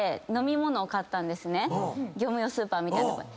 業務用スーパーみたいなとこで。